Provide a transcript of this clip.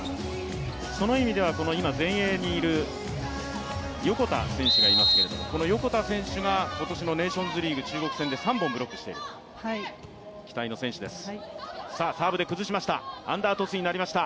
今、前衛に横田選手がいますけれどもこの横田選手が今年のネーションズリーグ、中国戦で３本ブロックしている、期待の選手です。